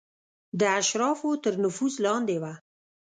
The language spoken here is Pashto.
د اشرافو تر نفوذ لاندې وه.